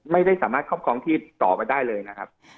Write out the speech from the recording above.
ไม่สามารถครอบครองที่ต่อไปได้เลยนะครับ